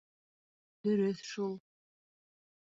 Дөрөҫ шул.